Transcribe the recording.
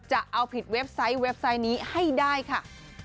จะเอาผิดเว็บไซต์นี้ให้ได้ค่ะ